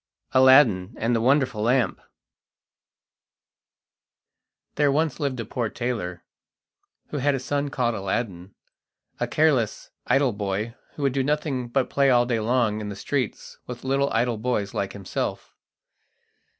Aladdin and the Wonderful Lamp There once lived a poor tailor, who had a son called Aladdin, a careless, idle boy who would do nothing but play all day long in the streets with little idle boys like himself.